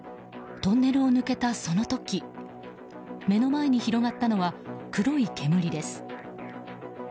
トンネルを抜けたその時目の前に広がったのは黒い煙です。